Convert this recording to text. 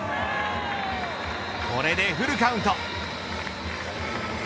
これでフルカウント。